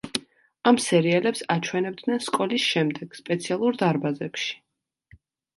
ამ სერიალებს აჩვენებდნენ სკოლის შემდეგ სპეციალურ დარბაზებში.